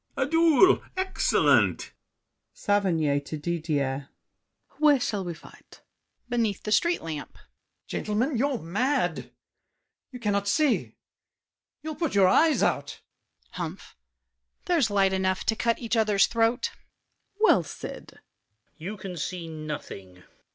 A duel—excellent! SAVERNY (to Didier). Where shall we fight? DIDIER. Beneath the street lamp. GASSÉ. Gentlemen, you're mad! You cannot see. You'll put your eyes out. DIDIER. Humph! There's light enough to cut each other's throat. SAVERNY. Well said! VILLAC. You can see nothing.